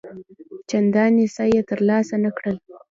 چنداني څه یې تر لاسه نه کړل.